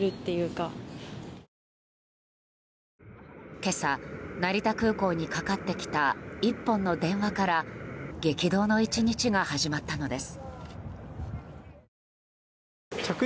今朝、成田空港にかかってきた１本の電話から激動の１日が始まったのです。